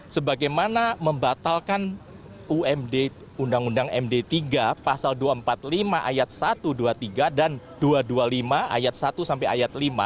sebagaimana membatalkan undang undang md tiga pasal dua ratus empat puluh lima ayat satu ratus dua puluh tiga dan dua ratus dua puluh lima ayat satu sampai ayat lima